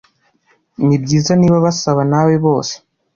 nibyiza niba basa nawe bose